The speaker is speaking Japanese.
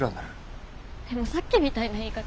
でもさっきみたいな言い方。